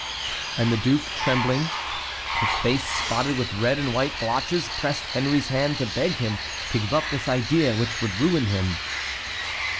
And the duke trembling, his face spotted with red and white blotches, pressed Henry's hand to beg him to give up this idea which would ruin him.